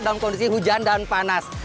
dalam kondisi hujan dan panas